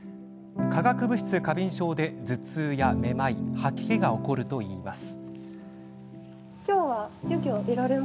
化学物質過敏症で頭痛や、めまい吐き気が起こるといいます。